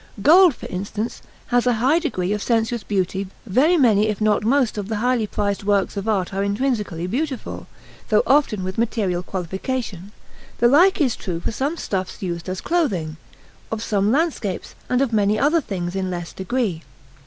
Gold, for instance, has a high degree of sensuous beauty very many if not most of the highly prized works of art are intrinsically beautiful, though often with material qualification; the like is true of some stuffs used for clothing, of some landscapes, and of many other things in less degree.